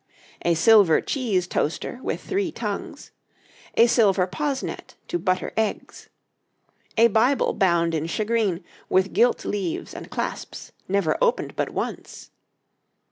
A silver Cheese toaster with three tongues. A silver Posnet to butter eggs. A Bible bound in Shagreen, with guilt Leaves and Clasps, never opened but once.